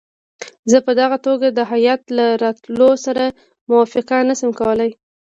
زه په دغه توګه د هیات له راتلو سره موافقه نه شم کولای.